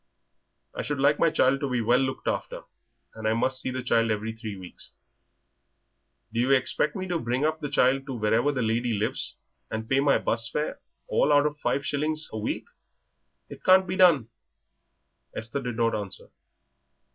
"I should like my child to be well looked after, and I must see the child every three weeks." "Do you expect me to bring up the child to wherever the lady lives, and pay my 'bus fare, all out of five shillings a week? It can't be done!" Esther did not answer.